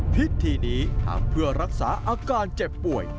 พิธีนี้ทำเพื่อรักษาอาการเจ็บป่วย